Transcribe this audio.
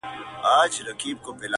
o د وږي سترگي په دېگدان کي وي.